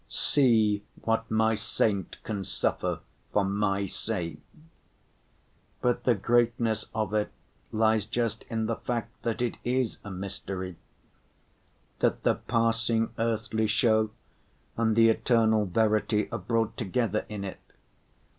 'See what My saint can suffer for My sake.' " But the greatness of it lies just in the fact that it is a mystery—that the passing earthly show and the eternal verity are brought together in it.